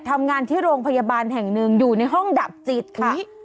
ทำงานที่โรงพยาบาลแห่งหนึ่งอยู่ในห้องดับจิตค่ะ